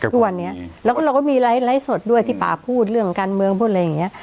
ทุกวันนี้แล้วก็เราก็มีไลฟ์สดด้วยที่ป่าพูดเรื่องการเมืองพูดอะไรอย่างนี้